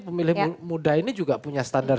pemilih muda ini juga punya standar